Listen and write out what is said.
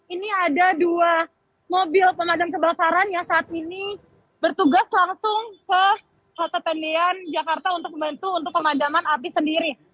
ini ada dua mobil pemadam kebakaran yang saat ini bertugas langsung ke halte tendian jakarta untuk membantu untuk pemadaman api sendiri